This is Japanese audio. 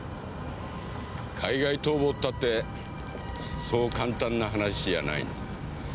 海外逃亡ったってそう簡単な話じゃない。